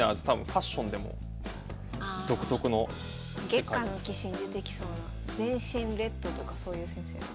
「月下の棋士」に出てきそうな全身レッドとかそういう先生。